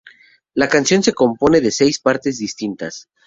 La canción se compone de seis partes distintas.